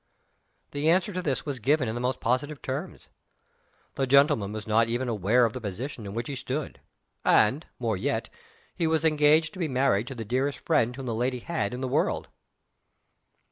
_" The answer to this was given in the most positive terms. The gentleman was not even aware of the position in which he stood. And, more yet, he was engaged to be married to the dearest friend whom the lady had in the world.